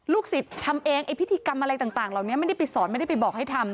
สิทธิ์ทำเองไอ้พิธีกรรมอะไรต่างเหล่านี้ไม่ได้ไปสอนไม่ได้ไปบอกให้ทำ